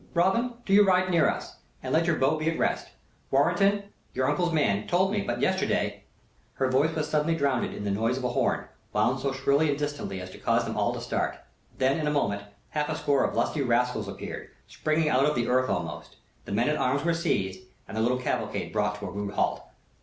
Robin, do you ride near to me, and let your bow be at rest. Warrenton, your uncle's man, told me but yesterday " Her voice was suddenly drowned in the noise of a horn, wound so shrilly and distantly as to cause them all to start. Then, in a moment, half a score of lusty rascals appeared, springing out of the earth almost. The men at arms were seized, and the little cavalcade brought to a rude halt.